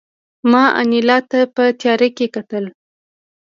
ما انیلا ته په تیاره کې کتل